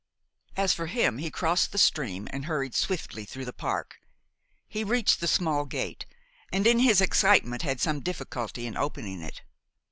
As for him he crossed the stream and hurried swiftly through the park. He reached the small gate and, in his excitement, had some difficulty in opening it.